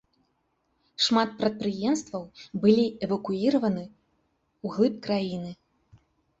Шмат прадпрыемстваў былі эвакуіраваны ўглыб краіны.